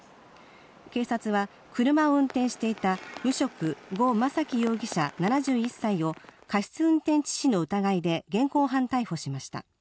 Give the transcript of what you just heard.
警察は車を運転していた無職・呉昌樹容疑者、７１歳を過失運転致死の疑いで現行犯逮捕しました。